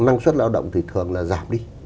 năng suất lao động thì thường là giảm đi